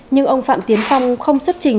nhưng ông phạm tiến phong không xuất trình